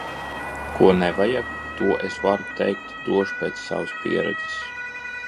Ko nevajag. To es varu teikt droši pēc savas pieredzes.